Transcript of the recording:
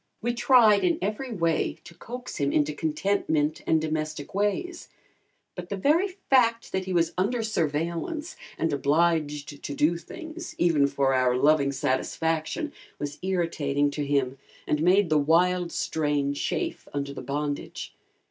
We tried in every way to coax him into contentment and domestic ways, but the very fact that he was under surveillance and obliged to do things, even for our loving satisfaction, was irritating to him and made the "wild strain" chafe under the bondage.